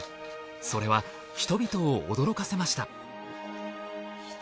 それは人々を驚かせました。